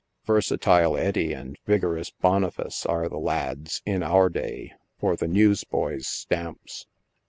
Versatile Eddy and vigorous Boniface are the lads, in our day, for the news boy's stamps.